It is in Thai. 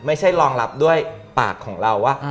ไม่ใช่รองรับด้วยปากของเราว่า